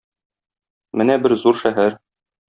Менә бер зур шәһәр.